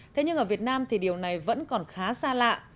thế nhưng ở việt nam thì điều này vẫn còn khá xa lạ